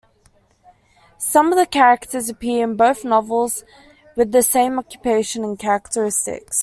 Some of the characters appear in both novels with the same occupation and characteristics.